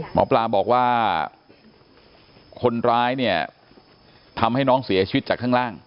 หมอปลาบอกว่าคนร้ายเนี่ยทำให้น้องเสียชีวิตจากข้างล่าง